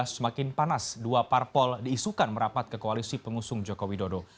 semakin panas dua parpol diisukan merapat ke koalisi pengusung joko widodo